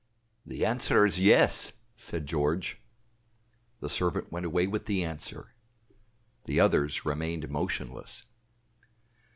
"The answer is yes," said George. The servant went away with the answer. The others remained motionless.